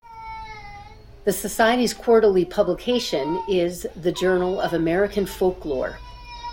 The Society's quarterly publication is the "Journal of American Folklore".